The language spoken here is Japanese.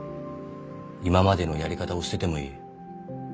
今までのやり方を捨ててもいい。